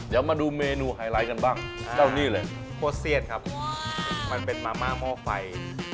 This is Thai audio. เดี๋ยวมาดูเมนูไฮไลท์กันบ้างเจ้านี่เลยโคตรเซียนครับมันเป็นมาม่าหม้อไฟ